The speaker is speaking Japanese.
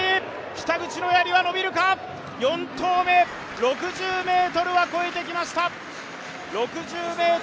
北口のやりは伸びるか、４投目、６０ｍは越えてきましたが。